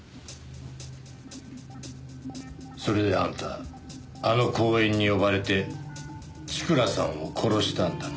それであんたあの公園に呼ばれて千倉さんを殺したんだな？